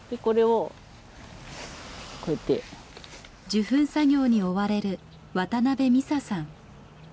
受粉作業に追われる渡辺美佐さん。